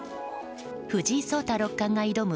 藤井聡太六冠が挑む